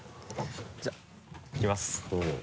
じゃあいきます。